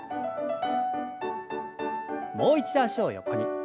もう一度脚を横に。